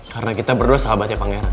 karena kita berdua sahabatnya pangeran